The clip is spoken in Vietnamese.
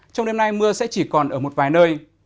trong đêm nay mưa sẽ chỉ còn ở một vài nơi